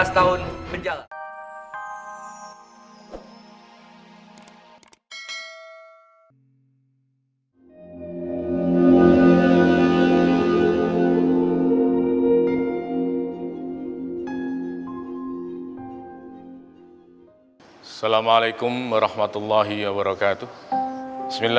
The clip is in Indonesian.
dua belas tahun menjalan